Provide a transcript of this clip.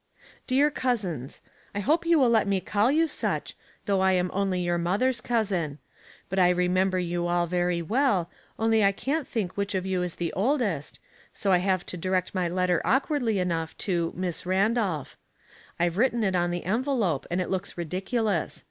"Dear Cousins: — I hope you will let me call you such, though I am only your mother's cousin ; but I remember you all very well, only I can't think which of you is the oldest, so I have to direct my letter awkwardly enough to 'Miss Randolph.' I've written it on the en velope, anl it looks ridiculous.